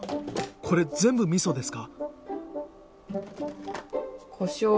これ全部みそですか？